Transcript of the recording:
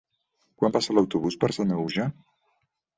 Quan passa l'autobús per Sanaüja?